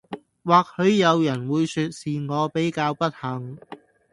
或許人有會說是我比較不幸